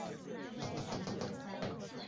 但屋顶立有高大的十字架。